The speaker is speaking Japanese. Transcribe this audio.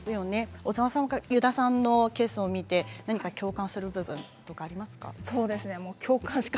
小澤さんは油田さんのケースを見て、何か共感する部分とかありましたか。